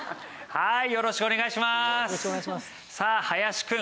はい。